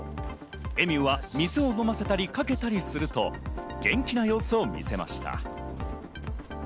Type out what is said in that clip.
エミューは水を飲ませたり、かけたりすると元気な様子を見せました。